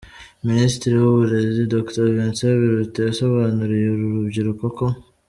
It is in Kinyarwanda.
Minisitiri w’Uburezi, Dr Vincent Biruta yasobanuriye uru rubyiruko ko .